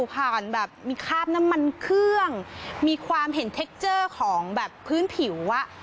ผ่านแบบมีคราบน้ำมันเครื่องมีความเห็นเทคเจอร์ของแบบพื้นผิวอ่ะ